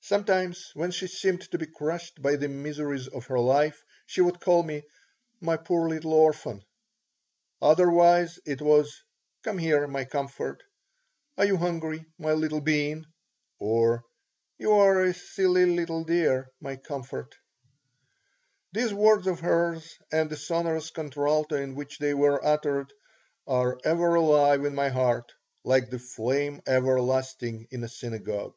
Sometimes, when she seemed to be crushed by the miseries of her life, she would call me, "My poor little orphan." Otherwise it was, "Come here, my comfort," "Are you hungry, my little bean?" or, "You are a silly little dear, my comfort." These words of hers and the sonorous contralto in which they were uttered are ever alive in my heart, like the Flame Everlasting in a synagogue.